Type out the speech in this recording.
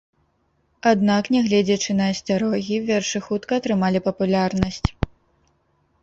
Аднак, нягледзячы на асцярогі, вершы хутка атрымалі папулярнасць.